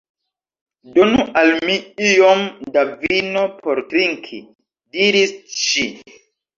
«Donu al mi iom da vino por trinki,» diris ŝi.